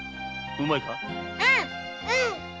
うん。